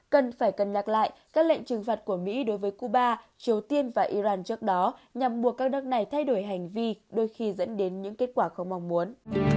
cần phải cân nhắc lại các lệnh trừng phạt của mỹ đối với cuba triều tiên và iran trước đó nhằm buộc các nước này thay đổi hành vi đôi khi dẫn đến những kết quả không mong muốn